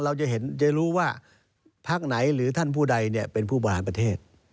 เราจะเห็นจะรู้ว่าพักไหนหรือท่านผู้ใดเป็นผู้บริหารประเทศ